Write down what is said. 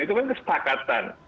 itu kan kesepakatan